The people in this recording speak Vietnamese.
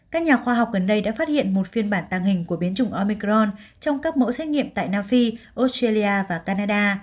các nhà khoa học gần đây đã phát hiện một phiên bản tăng hình của biến chủng omicron trong các mẫu xét nghiệm tại nam phi australia và canada